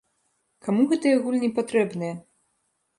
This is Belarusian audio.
Каму гэтыя гульні патрэбныя?